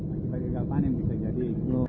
akibat gagal panen bisa jadi